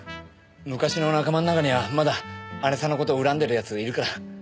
昔の仲間の中にはまだ姐さんの事恨んでるやついるから。